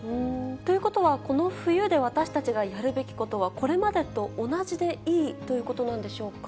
ということは、この冬で私たちがやるべきことは、これまでと同じでいいということなんでしょうか？